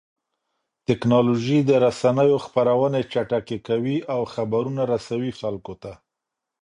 ټکنالوژي د رسنيو خپرونې چټکې کوي او خبرونه رسوي خلکو ته.